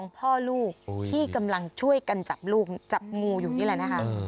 พ่อลูกที่กำลังช่วยกันจับลูกจับงูอยู่นี่แหละนะคะ